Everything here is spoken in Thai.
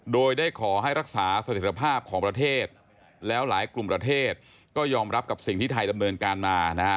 โดยได้ขอให้รักษาสถิตภาพของประเทศแล้วหลายกลุ่มประเทศก็ยอมรับกับสิ่งที่ไทยดำเนินการมานะฮะ